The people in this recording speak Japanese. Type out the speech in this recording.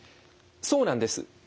そうなんです。